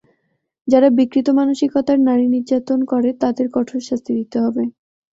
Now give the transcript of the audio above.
যারা বিকৃত মানসিকতার, নারী নির্যাতন করে, তাদের কঠোর শাস্তি দিতে হবে।